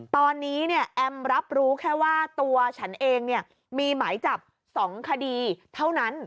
ตอนนี้แอมรับรู้แค่ว่าตัวฉันเองมีหมายจับ๒คดีเท่านั้น